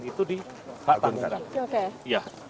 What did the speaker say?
itu di hak tangga